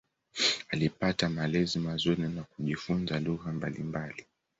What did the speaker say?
Alipata malezi mazuri na kujifunza lugha mbalimbali.